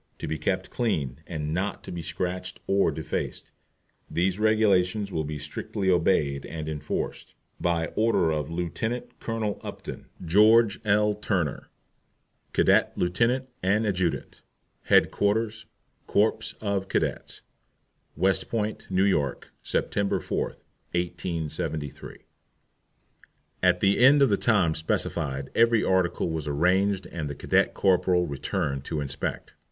To be kept clean, and not to be scratched or defaced. These Regulations will be strictly obeyed and enforced. By order of LIEUT. COLONEL UPTON, GEORGE L. TURNER, Cadet Lieut. and Adjutant. HEADQUARTERS, CORPS OF CADETS, West Point, N. Y., Sept. 4, 1873. At the end of the time specified every article was arranged and the cadet corporal returned to inspect.